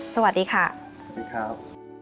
สวัสดีครับ